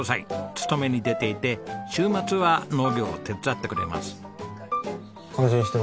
勤めに出ていて週末は農業を手伝ってくれます。